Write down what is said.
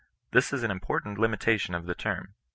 This is an important limitation of the term.